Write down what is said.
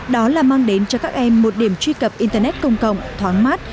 đó là mang đến cho các em một điểm truy cập internet công cộng thoáng mát